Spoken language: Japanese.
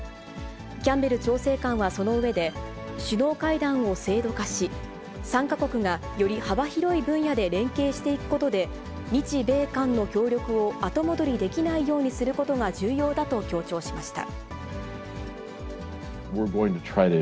キャンベル調整官はその上で首脳会談を制度化し、３か国がより幅広い分野で連携していくことで、日米韓の協力を後戻りできないようにすることが重要だと強調しました。